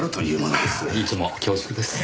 いつも恐縮です。